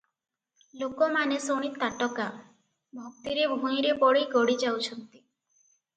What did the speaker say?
ଲୋକମାନେ ଶୁଣି ତାଟକା, ଭକ୍ତିରେ ଭୂଇଁରେ ପଡ଼ି ଗଡ଼ି ଯାଉଛନ୍ତି ।